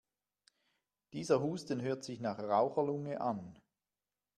Dieser Husten hört sich nach Raucherlunge an.